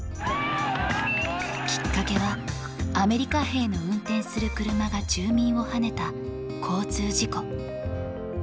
きっかけはアメリカ兵の運転する車が住民をはねた交通事故。